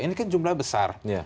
ini kan jumlah besar